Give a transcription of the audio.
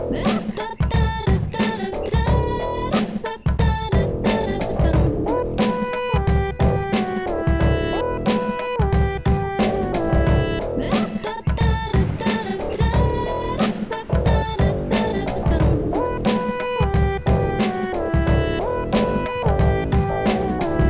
kau mijn mu mejor